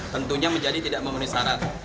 tentunya menjadi tidak memenuhi syarat